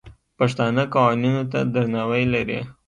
پښتانه قوانینو ته درناوی لري.